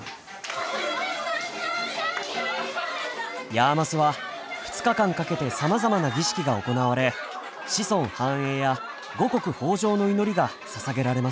ヤーマスは２日間かけてさまざまな儀式が行われ子孫繁栄や五穀豊穣の祈りがささげられます。